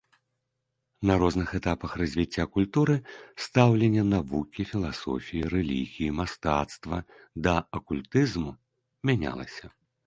На розных этапах развіцця культуры стаўленне навукі, філасофіі, рэлігіі, мастацтва да акультызму мянялася.